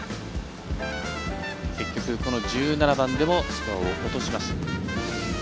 結局、１７番でもスコアを落としました。